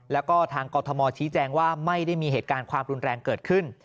แล้วก็ทางกรทมชี้แจงว่าไม่ได้มีเหตุการณ์ความรุนแรงเกิดขึ้น